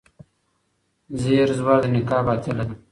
زیر زور نکاح باطله ده.